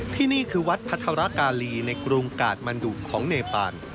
ที่นี่คือวัดพัทรกาลีในกรุงกาดมันดุของเนปาน